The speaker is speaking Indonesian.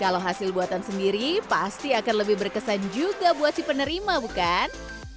kalau hasil buatan sendiri pasti akan lebih berkesan juga buat si penerima bukan